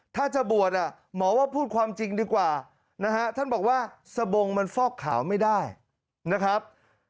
ถ้าจะบวชหมอว่าพูดความจริงดีกว่านะฮะท่านบอกว่าสบงมันฟอกขาวไม่ได้นะครับ